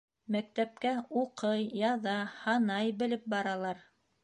Мәктәпкә уҡый, яҙа, һанай белеп баралар.